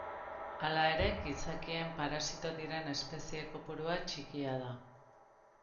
Hala ere gizakien parasito diren espezie kopurua txikia da.